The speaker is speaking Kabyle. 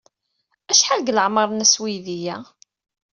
Acḥal deg leɛmeṛ-nnes uydi-a?